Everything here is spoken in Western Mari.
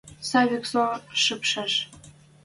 Савик со шыпшеш.